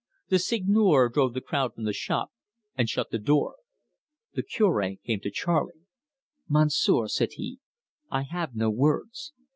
The Seigneur drove the crowd from the shop, and shut the door. The Cure came to Charley. "Monsieur," said he, "I have no words.